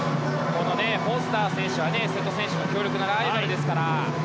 フォスター選手は瀬戸選手の強力なライバルですから。